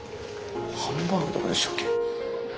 ハンバーグとかでしたっけ。